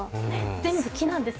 全部木なんです。